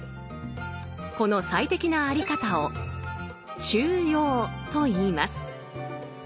この最適なあり方を「中庸」といいます。